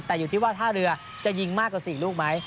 แต่อยู่ที่ว่าท่าเรือจะยิงมากกว่า๔ลูกไหม